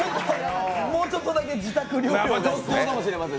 もうちょっとだけ自宅療養が必要かもしれません。